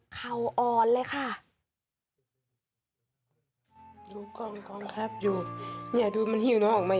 เขาอ่อนเลยค่ะ